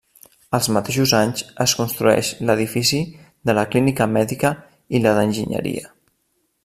Als mateixos anys es construeix l'edifici de la Clínica Mèdica i la d'Enginyeria.